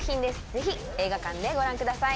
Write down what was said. ぜひ映画館でご覧ください。